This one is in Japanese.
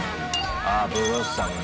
あブロッサムね。